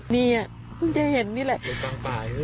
นี่อ่ะคุณจะเห็นนี่แหละ